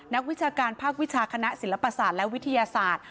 วิชาการภาควิชาคณะศิลปศาสตร์และวิทยาศาสตร์